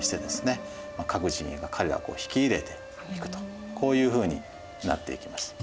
各陣営が彼らをこう引き入れていくとこういうふうになっていきます。